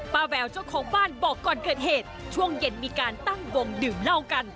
แววเจ้าของบ้านบอกก่อนเกิดเหตุช่วงเย็นมีการตั้งวงดื่มเหล้ากัน